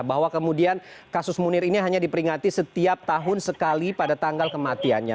bahwa kemudian kasus munir ini hanya diperingati setiap tahun sekali pada tanggal kematiannya